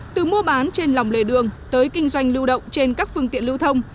từ mua bán trên lòng lề đường tới kinh doanh lưu động trên các phương tiện lưu thông